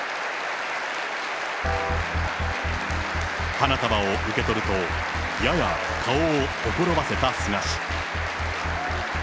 花束を受け取ると、やや顔をほころばせた菅氏。